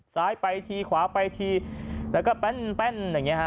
ซ้ายไปทีขวาไปทีแล้วก็แป้นอย่างเงี้ฮะ